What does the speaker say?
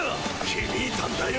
ひびいたんだよ。